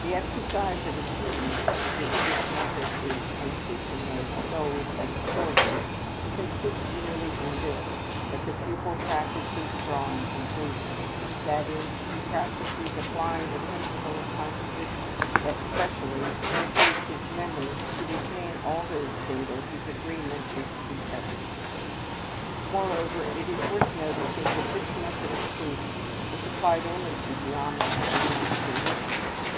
The exercise of acuteness which this method is unceasingly extolled as affording consists merely in this, that the pupil practises drawing conclusions, i.e., he practises applying the principle of contradiction, but specially he exerts his memory to retain all those data whose agreement is to be tested. Moreover, it is worth noticing that this method of proof was applied only to geometry and not to arithmetic.